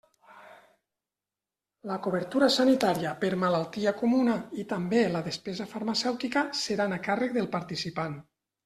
La cobertura sanitària per malaltia comuna, i també la despesa farmacèutica, seran a càrrec del participant.